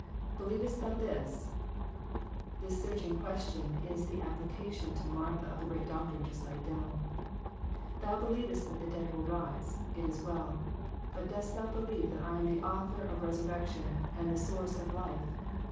[Believest thou thisf] This searching question is the applica tion to Martha of the great doctrines Just laid down. Thou believest that the dead will rise. It is well. But dost thou be lieve that I am the Author of resurrection, and the source of life?